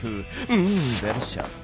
うんデリシャス！